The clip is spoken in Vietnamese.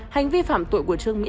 hành vi phạm tội của trương mỹ lan